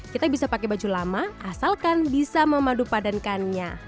kita bisa pakai baju lama asalkan bisa memadupadankannya